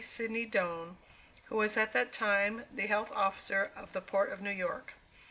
Sidney Doane, who was at that time the Health Officer of the Port of New York.